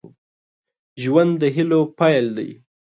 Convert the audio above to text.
ژوند د هيلو پيل دی.